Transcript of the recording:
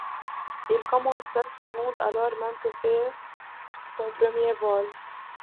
Il commande cette seconde, alors même que c'est son premier vol.